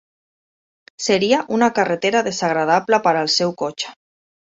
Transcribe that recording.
Seria una carretera desagradable per al seu cotxe.